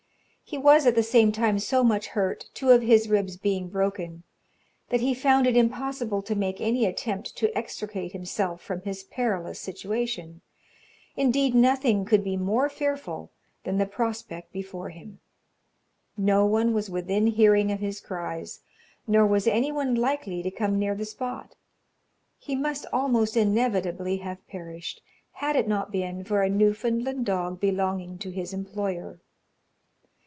He was at the same time so much hurt, two of his ribs being broken, that he found it impossible to make any attempt to extricate himself from his perilous situation. Indeed, nothing could be more fearful than the prospect before him. No one was within hearing of his cries, nor was any one likely to come near the spot. He must almost inevitably have perished, had it not been for a Newfoundland dog belonging to his employer.